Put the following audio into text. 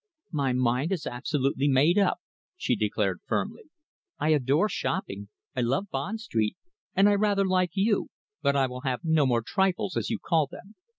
"My mind is absolutely made up," she declared firmly. "I adore shopping, I love Bond Street, and I rather like you, but I will have no more trifles, as you call them.